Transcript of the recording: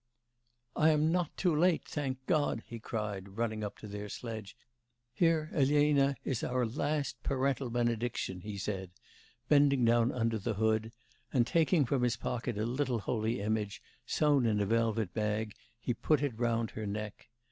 'I am not too late, thank God,' he cried, running up to their sledge. 'Here, Elena, is our last parental benediction,' he said, bending down under the hood, and taking from his pocket a little holy image, sewn in a velvet bag, he put it round her neck.